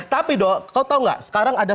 tapi dok kau tahu nggak sekarang ada